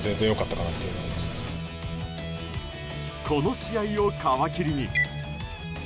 この試合を皮切りに。